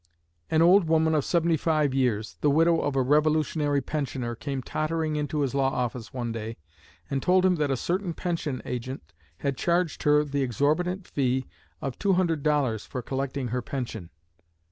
'" An old woman of seventy five years, the widow of a revolutionary pensioner, came tottering into his law office one day, and told him that a certain pension agent had charged her the exorbitant fee of two hundred dollars for collecting her pension.